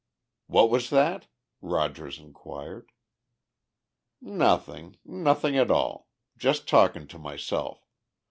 "What was that?" Rogers inquired. "Nothing nothing at all. Just talking to myself.